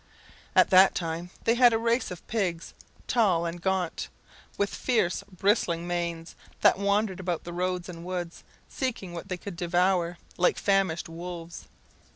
At that time they had a race of pigs, tall and gaunt, with fierce, bristling manes, that wandered about the roads and woods, seeking what they could devour, like famished wolves.